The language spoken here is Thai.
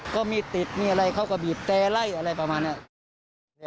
ก็มีติดมีอะไรเขาก็บีบแต่ไล่อะไรประมาณนี้